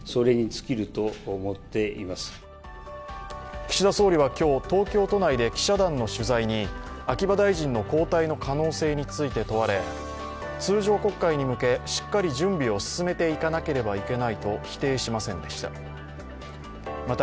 岸田総理は今日、東京都内で記者団の取材に秋葉大臣の交代の可能性について問われ、通常国会に向けしっかり準備を進めていかなければいけないと否定しませんでした。